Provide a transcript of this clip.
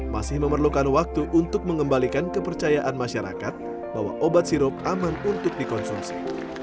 masih memerlukan waktu untuk mengembalikan kepercayaan masyarakat bahwa obat sirup aman untuk dikonsumsi